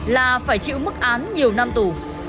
là phải chịu mức án nhiều năm tù